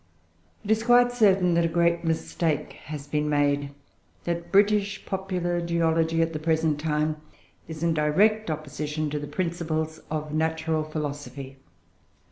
"It is quite certain that a great mistake has been made that British popular geology at the present time is in direct opposition to the principles of Natural Philosophy."